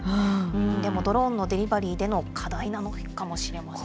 でもドローンのデリバリーでの課題なのかもしれません。